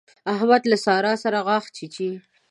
احمد له سارا سره غاښ چيچي.